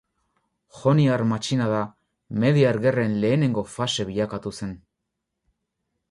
Joniar matxinada Mediar Gerren lehenengo fase bilakatu zen.